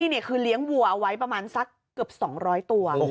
นี่คือเลี้ยงวัวเอาไว้ประมาณสักเกือบ๒๐๐ตัว